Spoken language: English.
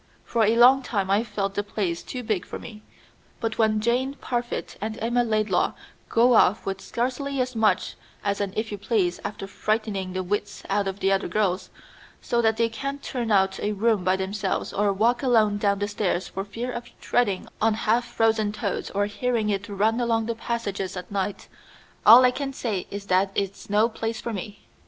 For a long time I've felt the place too big for me, but when Jane Parfit, and Emma Laidlaw go off with scarcely as much as an 'if you please,' after frightening the wits out of the other girls, so that they can't turn out a room by themselves or walk alone down the stairs for fear of treading on half frozen toads or hearing it run along the passages at night, all I can say is that it's no place for me.